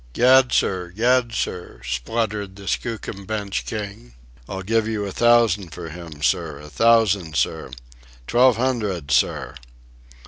"Gad, sir! Gad, sir!" spluttered the Skookum Bench king. "I'll give you a thousand for him, sir, a thousand, sir—twelve hundred, sir."